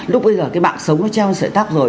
lúc bây giờ cái mạng sống nó treo sợi tóc rồi